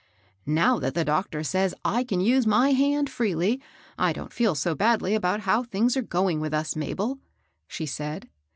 " Now that the doctor says I can use my hand fipeely, I don't fed so badly about how things are going with us, Mabel," she said.